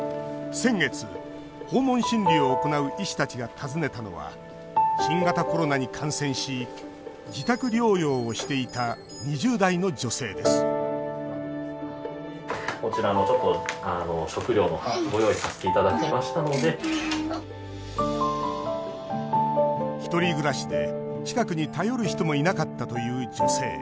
先月、訪問診療を行う医師たちが訪ねたのは新型コロナに感染し自宅療養をしていた２０代の女性です１人暮らしで、近くに頼る人もいなかったという女性。